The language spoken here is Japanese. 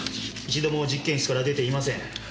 一度も実験室から出ていません。